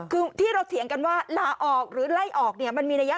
คือที่เราเถียงกันว่าลาออกหรือไล่ออกเนี่ยมันมีระยะ